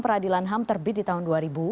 peradilan ham terbit di tahun dua ribu